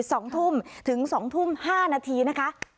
สองทุ่มถึงสองทุ่มห้านาทีนะคะ